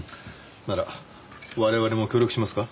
なら我々も協力しますか？